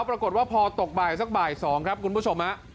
ปรากฏว่าพอตกบ่ายสักบ่าย๒ครับคุณผู้ชมฮะ